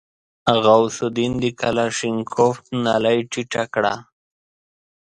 غوث الدين د کلاشينکوف نلۍ ټيټه کړه.